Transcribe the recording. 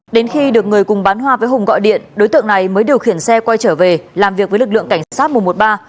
đến khi được người cùng bán hoa với hùng gọi điện đối tượng này mới điều khiển xe quay trở về làm việc với lực lượng cảnh sát một trăm một mươi ba